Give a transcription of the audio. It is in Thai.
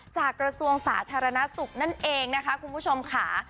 กระทรวงสาธารณสุขนั่นเองนะคะคุณผู้ชมค่ะ